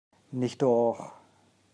Nicht doch!